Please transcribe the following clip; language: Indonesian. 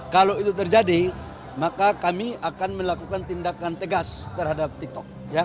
kalau itu terjadi maka kami akan melakukan tindakan tegas terhadap tiktok